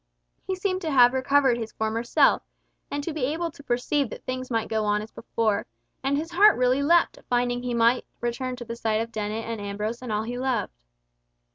He seemed to have recovered his former self, and to be able to perceive that things might go on as before, and his heart really leapt at finding he might return to the sight of Dennet and Ambrose and all he loved.